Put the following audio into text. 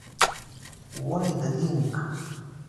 Why the link?